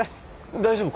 大丈夫か？